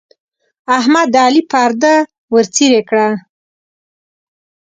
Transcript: احمد د علي پرده ورڅيرې کړه.